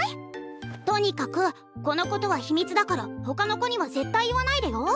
とにかくこのことは秘密だからほかの子には絶対言わないでよ。